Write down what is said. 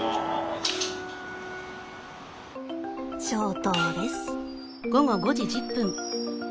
消灯です。